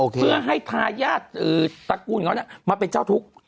เพื่อให้ทายาทตระกูลเขามาเป็นเจ้าทุกข์